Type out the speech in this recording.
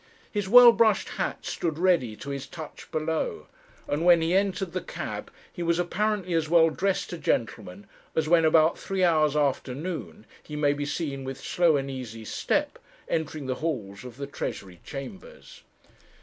His well brushed hat stood ready to his touch below, and when he entered the cab he was apparently as well dressed a gentleman as when about three hours after noon he may be seen with slow and easy step entering the halls of the Treasury chambers.